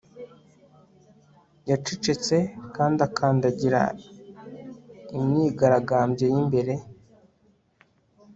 Yacecetse kandi akandagira imyigaragambyo yimbere